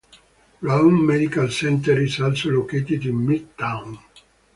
Roane Medical Center is also located in Midtown.